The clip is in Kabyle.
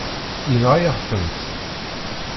Yenɣa-yaɣ-tent.